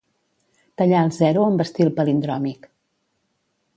Tallar al zero amb estil palindròmic.